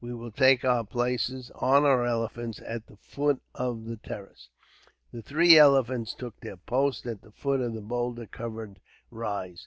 We will take our places, on our elephants, at the foot of the terrace." The three elephants took their posts, at the foot of the boulder covered rise.